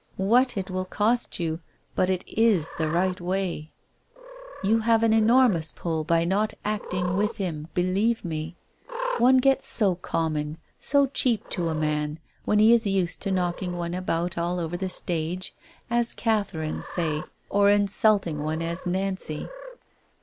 What it will cost you! But it is the right way. " You have an enormous pull by not acting with him, believe me! One gets so common, so cheap to a man, when he is used to knocking one about all over the stage, as Katherine, say, or insulting one as Nancy.